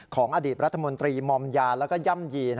ของอดีตรัฐมนตรีมอมยาแล้วก็ย่ำยี